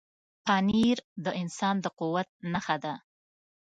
پنېر د انسان د قوت نښه ده.